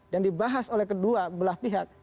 dan dibahas oleh kedua belah pihak